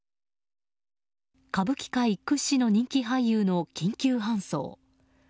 歌舞伎界屈指の人気俳優の緊急搬送。